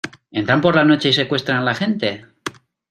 ¿ entran por la noche y secuestran a la gente?